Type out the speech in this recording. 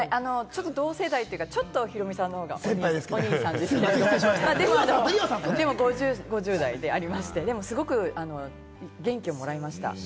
同世代というか、ちょっとヒロミさんの方がお兄さんですが、でも５０代でありまして、でもすごく元気をもらいました。